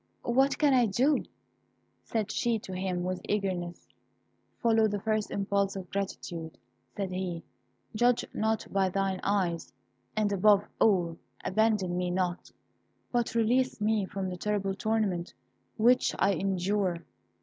"What can I do?" said she to him with eagerness. "Follow the first impulse of gratitude," said he. "Judge not by thine eyes, and, above all, abandon me not, but release me from the terrible torment which I endure."